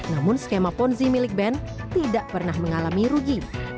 namun skema ponzi milik ben tidak pernah mengalami rugi